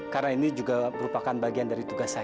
karena ini juga merupakan bagian dari tugas saya